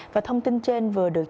và thông tin trên vừa được